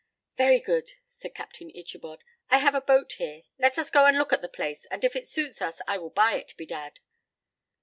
"Very good," said Captain Ichabod. "I have a boat here; let us go and look at the place, and if it suits us I will buy it, bedad."